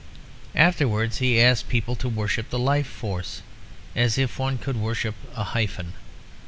Afterwards he asked people to worship the Life Force; as if one could worship a hyphen.